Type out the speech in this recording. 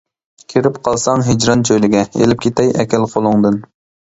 كىرىپ قالساڭ ھىجران چۆلىگە، ئېلىپ كېتەي ئەكەل قولۇڭدىن.